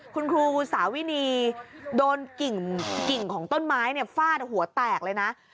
คุณครูสาวินีโดนกิ่งของต้นไม้ฟาดหัวแตกเลยนะ